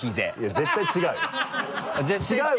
絶対違うよ。